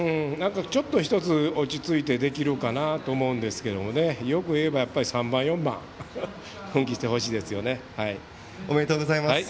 ちょっと１つ落ち着いてできるかなと思うんですけどもよくいえば３番、４番奮起してほしいですね。おめでとうございます。